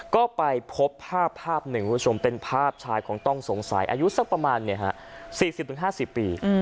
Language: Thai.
ก็ไปพบภาพภาพหนึ่งคุณผู้ชมเป็นภาพชายของต้องสงสัยอายุสักประมาณ๔๐๕๐ปี